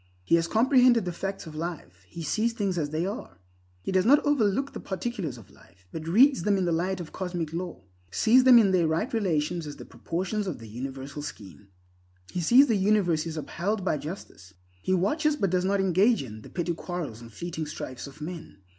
He has comprehended the facts of life; he sees things as they are. He does not overlook the particulars of life, but reads them in the light of cosmic law; sees them in their right relations as portions of the universal scheme. He sees the universe is upheld by justice. He watches, but does not engage in, the petty quarrels and fleeting strifes of men.